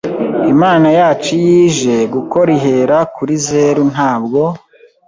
Imana yacu iyo ije gukora ihera kuri zero ntabwo